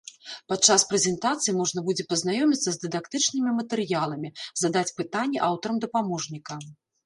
Падчас прэзентацыі можна будзе пазнаёміцца з дыдактычнымі матэрыяламі, задаць пытанні аўтарам дапаможніка.